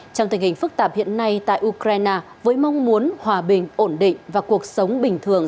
trong tình hình phức tạp hiện nay tại ukraine với mong muốn hòa bình ổn định và cuộc sống bình thường